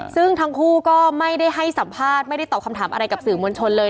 ซึ่งทั้งคู่ก็ไม่ได้ให้สัมภาษณ์ไม่ได้ตอบคำถามอะไรกับสื่อมวลชนเลย